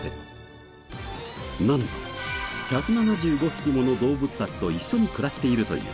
なんと１７５匹もの動物たちと一緒に暮らしているという。